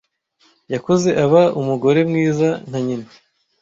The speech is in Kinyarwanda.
Yakuze aba umugore mwiza nka nyina.